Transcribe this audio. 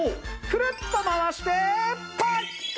くるっと回してパッカーン！